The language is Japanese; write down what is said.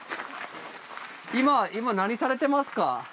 今今何されてますか？